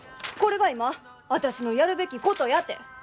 これが今私のやるべきことやて！